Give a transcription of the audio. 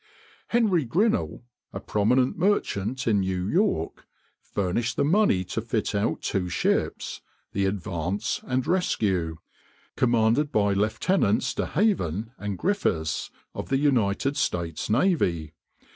Henry Grinnell, a prominent merchant in New York, furnished the money to fit out two ships, the Advance and Rescue, commanded by Lieutenants De Haven and Griffiths, of the United States navy.